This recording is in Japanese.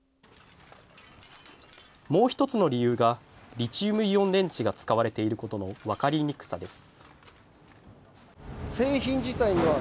もう１つの理由がリチウムイオン電池が使われていることの分かりにくさです。